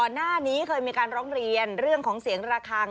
หน้านี้เคยมีการร้องเรียนเรื่องของเสียงระคัง